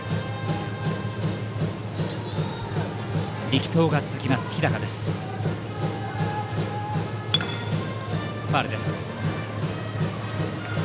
力投が続きます、日高です。